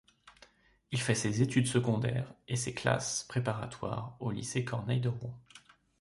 Il fait ses études secondaires et ses classes préparatoires au lycée Corneille de Rouen.